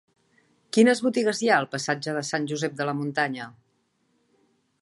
Quines botigues hi ha al passatge de Sant Josep de la Muntanya?